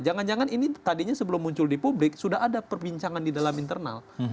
jangan jangan ini tadinya sebelum muncul di publik sudah ada perbincangan di dalam internal